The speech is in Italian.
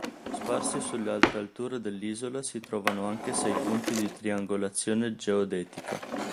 Sparsi sulle altre alture dell'isola si trovano anche sei punti di triangolazione geodetica.